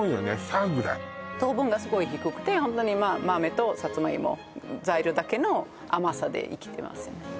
サッぐらい糖分がすごい低くてホントに豆とさつまいも材料だけの甘さで生きてますよね